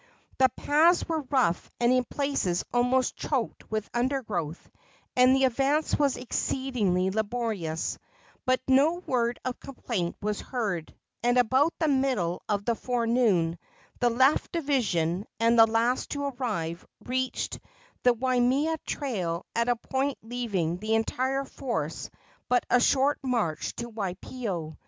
The paths were rough and in places almost choked with undergrowth, and the advance was exceedingly laborious; but no word of complaint was heard, and about the middle of the forenoon the left division, and the last to arrive, reached the Waimea trail at a point leaving the entire force but a short march to Waipio.